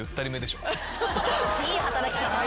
いい働き方。